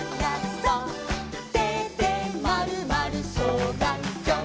「てでまるまるそうがんきょう」